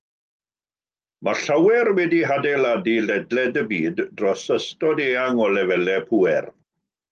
Mae llawer wedi'u hadeiladu ledled y byd, dros ystod eang o lefelau pŵer.